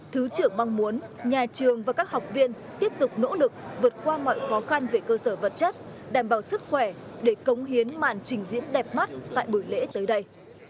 thứ trưởng mong muốn nhà trường và các học viên tiếp tục nỗ lực vượt qua mọi khó khăn về cơ sở vật chất đảm bảo sức khỏe để cống hiến màn trình diễn đẹp mắt tại buổi lễ tới đây